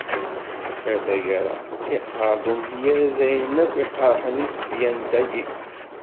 Ar taggara, iqqaṛ-d umedyaz ayen akk iqeṛṛḥen di tedyant-agi.